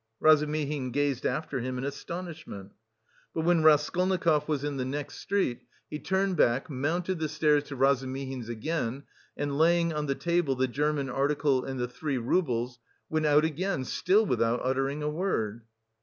Razumihin gazed after him in astonishment. But when Raskolnikov was in the next street, he turned back, mounted the stairs to Razumihin's again and laying on the table the German article and the three roubles, went out again, still without uttering a word.